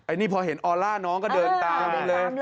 นี่พอเห็นออลล่าน้องก็เดินตามไปเลย